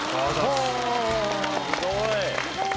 すごい。